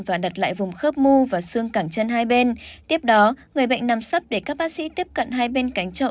và đặt lại vùng khớp mu và xương cẳng chân hai bên tiếp đó người bệnh nằm sắp để các bác sĩ tiếp cận hai bên cánh trậu